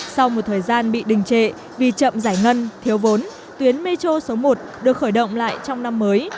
sau một thời gian bị đình trệ vì chậm giải ngân thiếu vốn tuyến metro số một được khởi động lại trong năm mới